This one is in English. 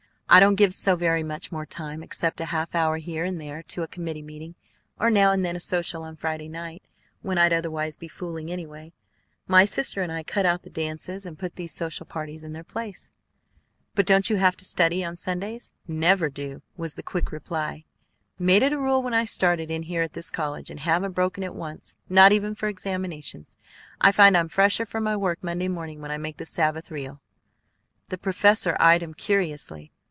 "I don't give so very much more time, except a half hour here and there to a committee meeting, or now and then a social on Friday night, when I'd otherwise be fooling, anyway. My sister and I cut out the dances, and put these social parties in their place." "But don't you have to study on Sundays?" "Never do!" was the quick reply. "Made it a rule when I started in here at this college, and haven't broken it once, not even for examinations. I find I'm fresher for my work Monday morning when I make the Sabbath real." The professor eyed him curiously.